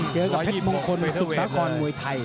เจอกับเพชรมงคลสุขสาครมวยไทย